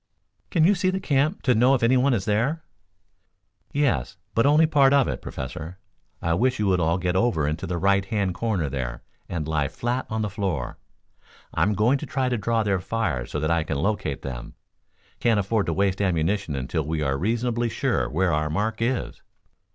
"Can you see the camp, to know if anyone is there?" "Yes, but only part of it, Professor. I wish you would all get over into the right hand corner there and lie flat on the floor. I'm going to try to draw their fire so that I can locate them. Can't afford to waste ammunition until we are reasonably sure where our mark is."